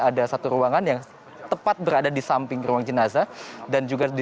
ada satu ruangan yang tepat berada di samping ruang jenazah